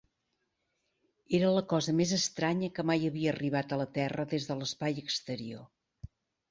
Era la cosa més estranya que mai havia arribat a la terra des de l'espai exterior.